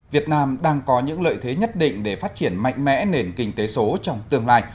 việt nam đang có những lợi thế nhất định để phát triển mạnh mẽ nền kinh tế số trong tương lai